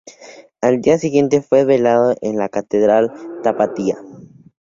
Al día siguiente fue velado en la Catedral tapatía.